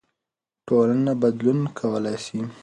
ټولنه بدلون کولای سي.